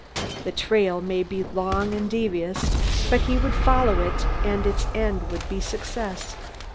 The trail might be long and devious; but he would follow it and at its end would be success.